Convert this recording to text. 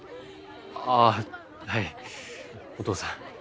あぁはいお父さん。